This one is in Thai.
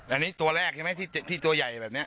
อันนี้ตัวแรกใช่ไหมที่ตัวใหญ่แบบนี้